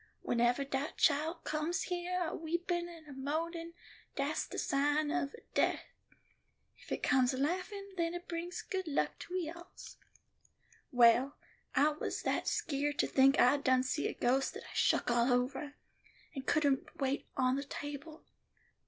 Whenever dat child comes here a weepin' and a moanin', dat's de sign of a death; if it comes a laughin', den it brings good luck to we alls.' "Well, I was that skeered to think I'd done seen a ghost, that I shuck all over, and couldn't wait on the table.